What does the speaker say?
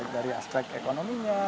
dari aspek ekonominya